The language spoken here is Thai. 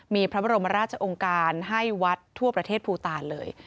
มีพระบรมราชองค์การให้วัดทั่วประเทศภูตาลเลย